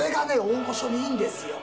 大御所にいいんですよ。